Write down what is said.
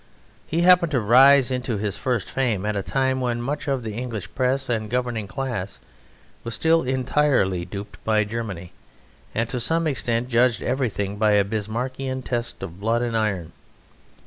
He happened to rise into his first fame at a time when much of the English Press and governing class was still entirely duped by Germany, and to some extent judged everything by a Bismarckian test of blood and iron.